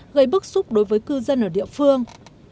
gây bức xúc đối với cư dân ở địa phương